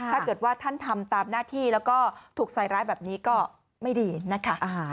ถ้าเกิดว่าท่านทำตามหน้าที่แล้วก็ถูกใส่ร้ายแบบนี้ก็ไม่ดีนะคะ